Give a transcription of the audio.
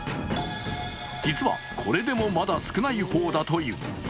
実はこれでもまだ少ない方だという。